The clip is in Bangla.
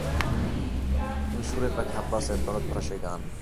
তুমি সুরের পাখি আব্বাসের, দরদ ভরা সেই গান।